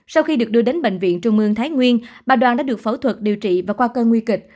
sau khi được đưa đến bệnh viện trung ương thái nguyên bà đoàn đã được phẫu thuật điều trị và qua cơn nguy kịch